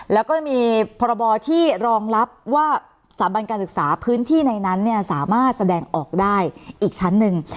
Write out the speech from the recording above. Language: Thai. แล้วก็มีพรบที่รองรับว่าสถาบันการศึกษาพื้นที่ในนั้นสามารถแสดงออกได้อีกชั้นหนึ่ง